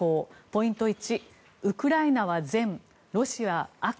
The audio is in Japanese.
ポイント１ウクライナは善、ロシアは悪。